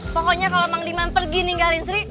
pokoknya kalau mang lima pergi ninggalin sri